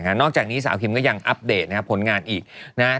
นอกจากนี้สาวคิมก็ยังอัปเดตนะครับผลงานอีกนะครับ